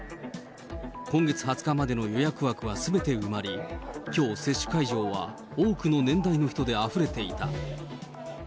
今月２０日までの予約枠はすべて埋まり、きょう、接種会場は多くの年代の人であふれていた。